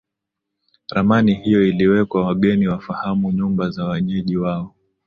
Ramani hiyo iliwekwa wageni wafahamu nyumba za wenyeji wao